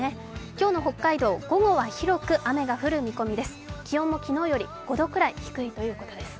今日の北海道、午後は広く雨が降る見込みです。